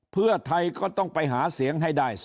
เพื่อไทยก็ต้องไปหาเสียง